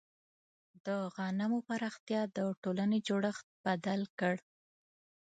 د غنمو پراختیا د ټولنې جوړښت بدل کړ.